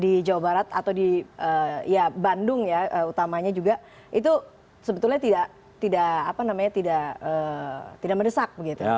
di jawa barat atau di bandung ya utamanya juga itu sebetulnya tidak mendesak begitu